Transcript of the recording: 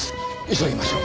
急ぎましょう。